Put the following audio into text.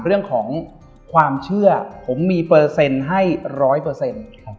เรื่องของความเชื่อผมมีเปอร์เซ็นต์ให้ร้อยเปอร์เซ็นต์